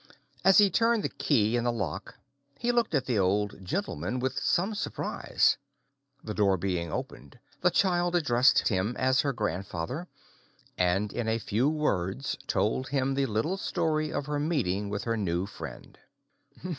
As he turned the key in the lock he looked at the Old Gentleman with some surprise. The door being opened, the child addressed him as her grandfather, and in a few words told him the little story of her meeting with her new friend.